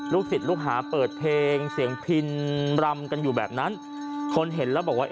ศิษย์ลูกหาเปิดเพลงเสียงพินรำกันอยู่แบบนั้นคนเห็นแล้วบอกว่า